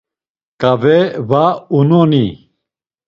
Ǩave va unoni?